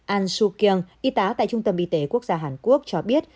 ahn soo kyung y tá tại trung tâm y tế quốc gia hàn quốc cho biết